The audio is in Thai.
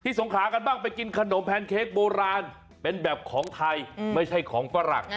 สงขากันบ้างไปกินขนมแพนเค้กโบราณเป็นแบบของไทยไม่ใช่ของฝรั่ง